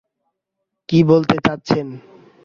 কি বলতে চাচ্ছেন?